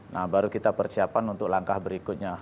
nah baru kita persiapan untuk langkah berikutnya